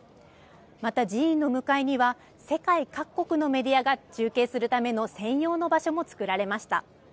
また寺院の向かいには、世界各国のメディアが中継するための専用の場所も作られました。